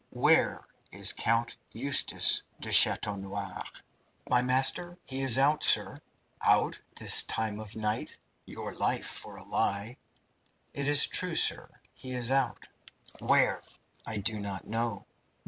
"Where is Count Eustace de Chateau Noir?" "My master! He is out, sir." "Out at this time of night? Your life for a lie!" "It is true, sir. He is out!" "Where?" "I do not know."